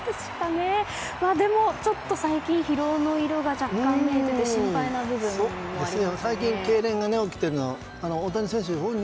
でも、ちょっと最近疲労の色が若干見えてて心配な部分もありますね。